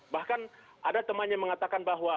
bahkan ada temannya mengatakan bahwa